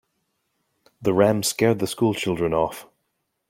The ram scared the school children off.